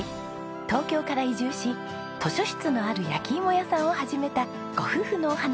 東京から移住し図書室のある焼き芋屋さんを始めたご夫婦のお話。